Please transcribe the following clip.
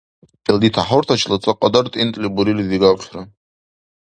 Илди тяхӀуртачила цакьадар тӀинтӀли бурили дигахъира.